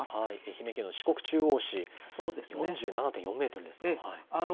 愛媛県の四国中央市４７．４メートルですか。